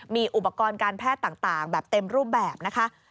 มีอุปกรณ์การแพทย์ต่างแบบเต็มรูปแบบนะคะ